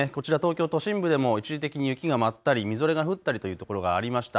こちら、東京都心部でも一時的に雪が舞ったりみぞれが降ったりというところがありました。